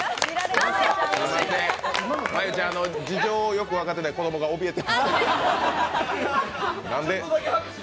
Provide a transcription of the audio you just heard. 真悠ちゃんよく事情分かってない子供がおびえてます。